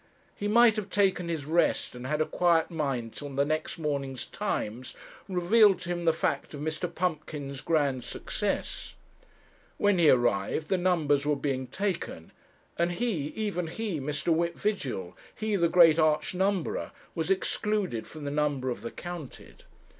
He might have taken his rest, and had a quiet mind till the next morning's Times revealed to him the fact of Mr. Pumpkin's grand success. When he arrived, the numbers were being taken, and he, even he, Mr. Whip Vigil, he the great arch numberer, was excluded from the number of the counted.